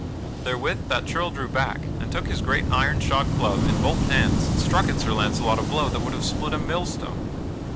Therewith that churl drew back and took his great iron shod club in both hands and struck at Sir Launcelot a blow that would have split a millstone.